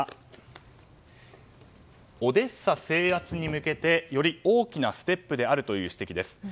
オデッサ制圧に向けてより大きなステップであるという指摘です。